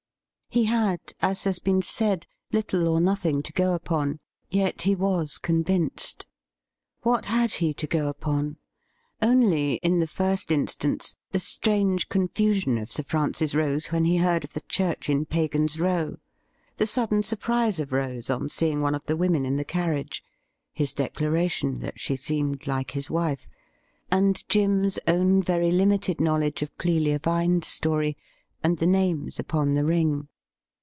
He had, as has been said, little or nothing to go upon. Yet he was convinced. What had he to go upon ? Only, in the first instance, the strange confusion of Sir Francis Rose when he heard of the church in Pagan''s Row; the sudden surprise of Rose on seeing one of the women in the carriage; his declaration that she seemed like his wife; 190 THE RIDDLE RING and Jim's own very limited knowledge of Clelia Vine's story, and the names upon the ring.